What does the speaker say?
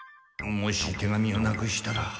もし手紙をなくしたら。